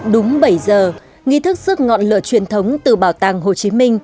đúng bảy giờ nghi thức sức ngọn lửa truyền thống từ bảo tàng hồ chí minh